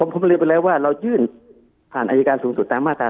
ผมเรียนไปแล้วว่าเรายื่นผ่านอายการสูงสุดตามมาตรา๑